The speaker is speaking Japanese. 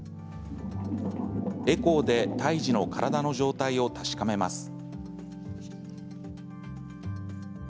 エコーで胎児の体の状態を確かめます。